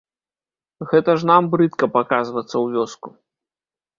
Гэта ж нам брыдка паказвацца ў вёску.